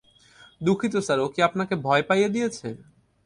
দুঃখিত স্যার, ও কি আপনাকে ভয় পাইয়ে দিয়েছে?